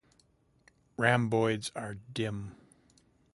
Ramboids are dim.